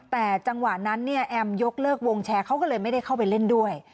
ตัวเองไปเข้าไปเล่นด้วย